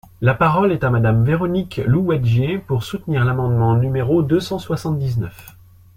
La parole est à Madame Véronique Louwagie, pour soutenir l’amendement numéro deux cent soixante-dix-neuf.